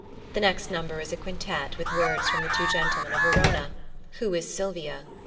The next number is a quintet with words from The Two Gentlemen of Verona "Who is Sylvia?"